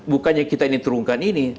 bukannya kita ini terungkan ini